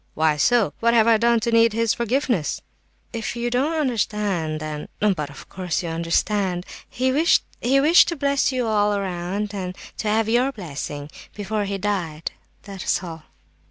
why so? What have I done to need his forgiveness?" "If you don't understand, then—but of course, you do understand. He wished—he wished to bless you all round and to have your blessing—before he died—that's all."